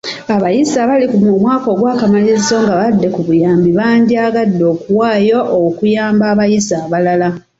Abayizi abali mu mwaka gw'akamalirizo nga babadde ku buyambi bandiyagadde okuwaayo okuyamba abayizi abalala.